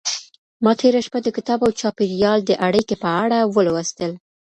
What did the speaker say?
ما تېره شپه د کتاب او چاپېريال د اړيکې په اړه ولوستل.